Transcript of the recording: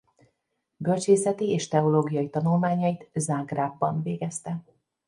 Bölcsészeti és teológiai tanulmányait Zágrábban végezte.